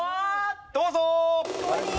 どうぞ！